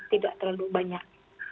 tidak terlalu banyak